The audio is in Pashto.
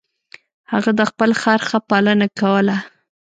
هغه د خپل خر ښه پالنه کوله.